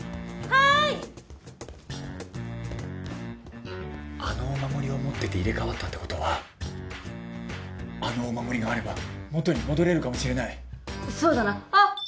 はーいあのお守りを持ってて入れ替わったってことはあのお守りがあれば元に戻れるかもしれないそうだなあっ！